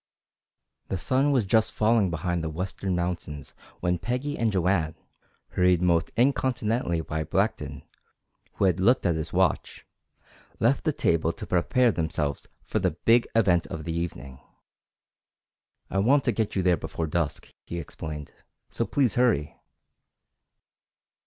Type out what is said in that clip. The sun was just falling behind the western mountains when Peggy and Joanne, hurried most incontinently by Blackton, who had looked at his watch, left the table to prepare themselves for the big event of the evening. "I want to get you there before dusk," he explained. "So please hurry!"